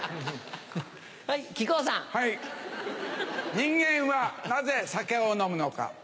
人間はなぜ酒を飲むのか？